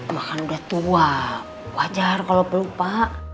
makan udah tua wajar kalau pelupa